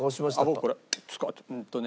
僕うんとね。